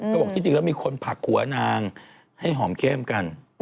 ก็บอกที่จริงแล้วมีคนผลักหัวนางให้หอมเข้มกัน